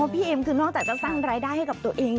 เอ็มคือนอกจากจะสร้างรายได้ให้กับตัวเอง